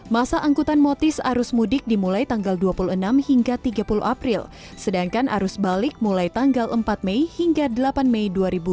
masa angkutan motis arus mudik dimulai tanggal dua puluh enam hingga tiga puluh april sedangkan arus balik mulai tanggal empat mei hingga delapan mei dua ribu dua puluh